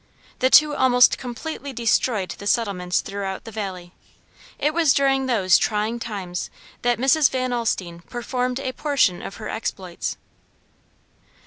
The two almost completely destroyed the settlements throughout the valley. It was during those trying times that Mrs. Van Alstine performed a portion of her exploits.